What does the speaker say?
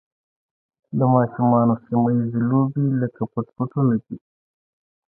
د ماشومانو سیمه ییزې لوبې لکه پټ پټونی دي.